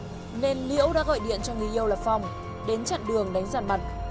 do bức xúc nên liễu đã gọi điện cho người yêu là phong đến chặn đường đánh giàn mặt